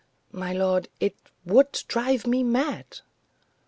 My lord, it would drive me mad!"